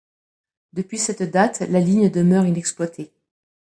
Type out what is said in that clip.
Depuis cette date la ligne demeure inexploitée.